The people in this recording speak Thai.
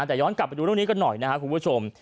แต่ย้อนกลับไปดูเรื่องนี้กันหน่อยนะครับคุณผู้ชม